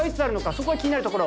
そこが気になるところ。